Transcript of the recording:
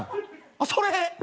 それ！